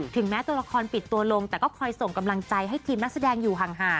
แม้ตัวละครปิดตัวลงแต่ก็คอยส่งกำลังใจให้ทีมนักแสดงอยู่ห่าง